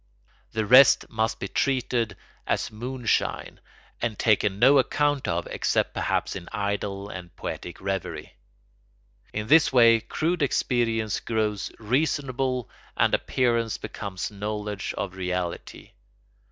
The rest must be treated as moonshine and taken no account of except perhaps in idle and poetic revery. In this way crude experience grows reasonable and appearance becomes knowledge of reality.